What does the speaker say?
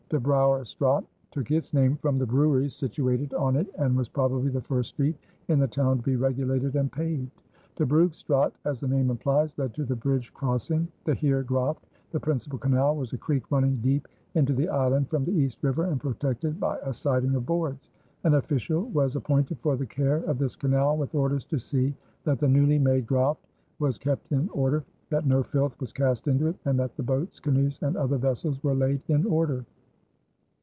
De Brouwer Straat took its name from the breweries situated on it and was probably the first street in the town to be regulated and paved. De Brugh Straat, as the name implies, led to the bridge crossing. De Heere Graft, the principal canal, was a creek running deep into the island from the East River and protected by a siding of boards. An official was appointed for the care of this canal with orders to see "that the newly made graft was kept in order, that no filth was cast into it, and that the boats, canoes, and other vessels were laid in order."